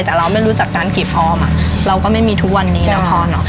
แต่เราไม่รู้จักการเก็บออมอ่ะเราก็ไม่มีทุกวันนี้นะพ่อเนอะ